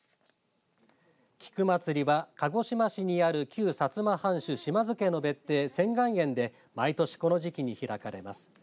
菊まつりは鹿児島市にある旧薩摩藩主・島津家の別邸仙巌園で毎年、この時期に開かれます。